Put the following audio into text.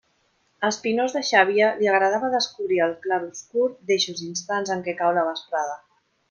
A Espinós, de Xàbia, li agradava descobrir el clarobscur d'eixos instants en què cau la vesprada.